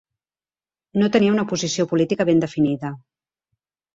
No tenia una posició política ben definida.